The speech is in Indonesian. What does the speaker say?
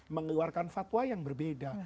mengeluarkan fatwa yang berbeda